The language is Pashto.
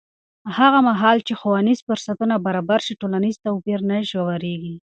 هغه مهال چې ښوونیز فرصتونه برابر شي، ټولنیز توپیر نه ژورېږي.